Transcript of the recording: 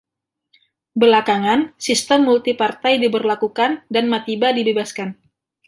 Belakangan, sistem multipartai diberlakukan dan Matiba dibebaskan.